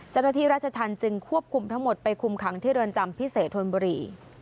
เจ้าหน้าที่ราชธรรมจึงควบคุมทั้งหมดไปคุมขังที่เรือนจำพิเศษธนบุรี